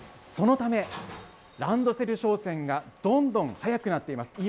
そのため、ランドセル商戦がどんどん早くなっています。